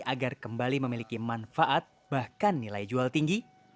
agar kembali memiliki manfaat bahkan nilai jual tinggi